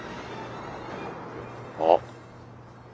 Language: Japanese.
あっ！